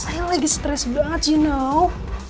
akhirnya lagi stress banget you know